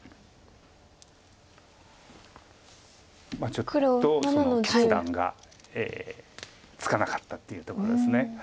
ちょっと決断がつかなかったっていうところです。